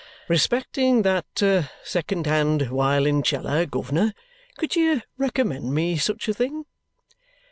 "Respecting that second hand wiolinceller, governor could you recommend me such a thing?"